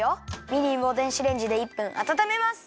みりんを電子レンジで１分あたためます。